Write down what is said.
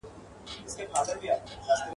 دې غونډي ته یوه جاهل !.